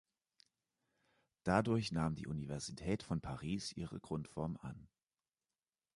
Dadurch nahm die Universität von Paris ihre Grundform an.